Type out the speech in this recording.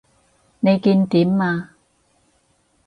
你見點啊？